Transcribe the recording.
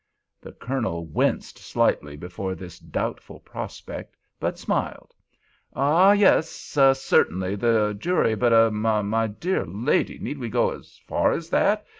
The Colonel winced slightly before this doubtful prospect, but smiled. "Ha! Yes!—certainly—the jury. But—er—my dear lady, need we go as far as that?